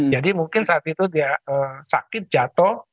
jadi mungkin saat itu dia sakit jatuh